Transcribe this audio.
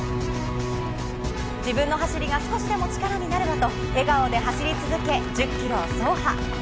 自分の走りが少しでも力になればと、笑顔で走り続け、１０キロを走破。